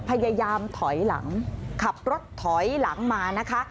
พยายามถอยหลังขับรถถอยหลังมานะคะ